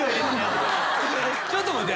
ちょっと待って。